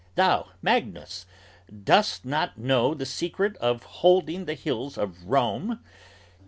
Thou, Magnus, dost not know the secret Of holding the hills of Rome?